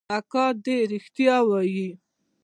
اکا دې ريښتيا وايي.